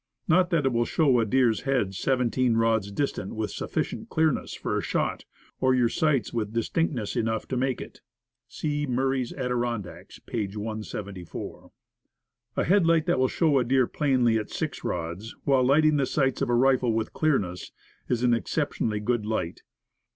Not that it will show a deer's head seventeen rods distant with suf ficient clearness for a shot or your sights with distinctness enough to make it. (See Murray's Adi rondacks, page 174.) 68 Woodcraft. A headlight that will show a deer plainly at six rods, while lighting the sights of a rifle with clearness, is an exceptionally good light.